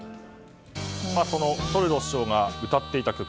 そのトルドー首相が歌っていた曲。